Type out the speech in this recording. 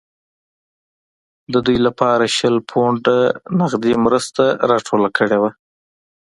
دوی لپاره شل پونډه نغدي مرسته راټوله کړې وه.